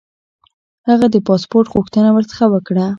هغه د پاسپوټ غوښتنه ورڅخه وکړه.